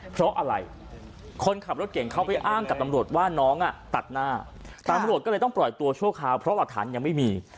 เพราะอะไรคนขับรถเก่งเขาไปอ้างกับตำรวจว่าน้องอ่ะตัดหน้าตำรวจก็เลยต้องปล่อยตัวชั่วคราวเพราะหลักฐานยังไม่มี